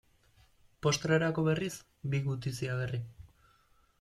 Postrerako berriz, bi gutizia berri.